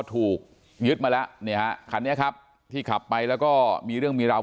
ถูกยึดมาแล้วเนี่ยฮะคันนี้ครับที่ขับไปแล้วก็มีเรื่องมีราว